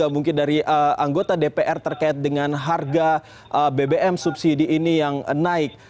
mungkin dari anggota dpr terkait dengan harga bbm subsidi ini yang naik